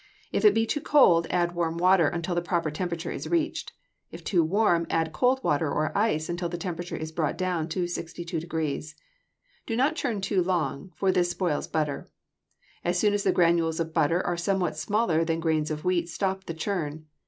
If it be too cold, add warm water until the proper temperature is reached; if too warm, add cold water or ice until the temperature is brought down to 62°. Do not churn too long, for this spoils butter. As soon as the granules of butter are somewhat smaller than grains of wheat, stop the churn.